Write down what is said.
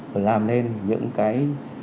và làm nên những cái